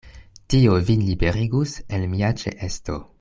Tio vin liberigus el mia ĉeesto.